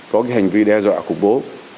có hành vi đe dọa cục bố